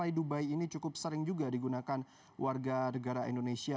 apakah fly dubai ini cukup sering juga digunakan warga negara indonesia